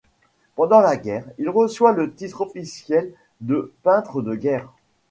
Pendant la guerre, il reçoit le titre officiel de peintre de guerre.